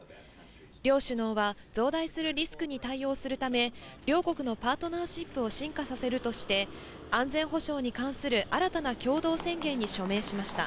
両首脳は、増大するリスクに対応するため、両国のパートナーシップを進化させるとして、安全保障に関する新たな共同宣言に署名しました。